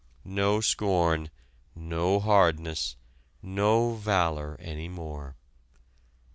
No scorn, no hardness, no valor any more!